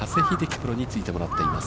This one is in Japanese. プロについてもらっています。